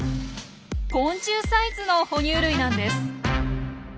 昆虫サイズのほ乳類なんです。